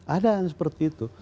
ada kan seperti itu